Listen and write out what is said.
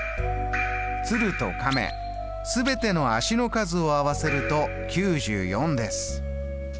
鶴と亀全ての足の数を合わせると９４です。